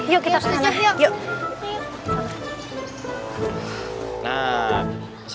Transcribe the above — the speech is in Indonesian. yuk kita ke sana